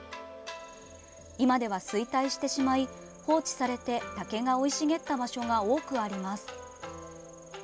今では衰退してしまい放置されて竹が生い茂った場所が多くあります。